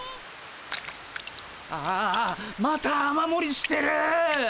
ああまた雨もりしてる！